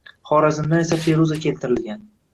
Xorazmdan esa feruza keltirilgan.